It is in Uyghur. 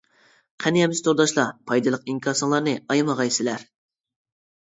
قېنى ئەمىسە تورداشلار پايدىلىق ئىنكاسلىرىڭلارنى ئايىمىغايسىلەر!